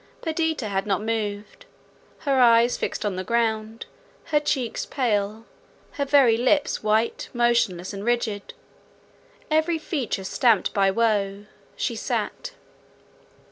Perdita had not moved; her eyes fixed on the ground, her cheeks pale, her very lips white, motionless and rigid, every feature stamped by woe, she sat.